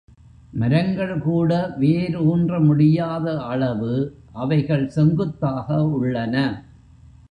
மரங்கள்கூட வேர் ஊன்ற முடியாத அளவு அவைகள் செங்குத்தாக உள்ளன.